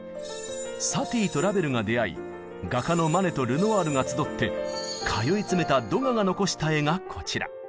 サティーとラヴェルが出会い画家のマネとルノワールが集って通い詰めたドガが残した絵がこちら。